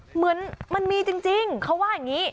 เหมือนมันมีจริงเขาว่าอย่างนี้